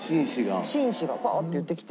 紳士がパーッて言ってきて。